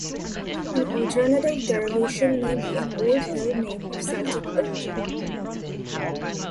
An alternative derivation may be an old hill-name of Celtic origin.